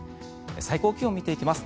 最高気温を見ていきます。